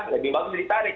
lebih bagus ditarik